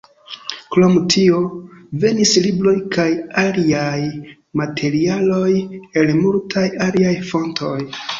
Krom tio, venis libroj kaj aliaj materialoj el multaj aliaj fontoj.